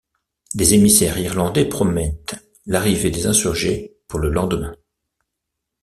Des émissaires irlandais promettent l'arrivée de insurgés pour le lendemain.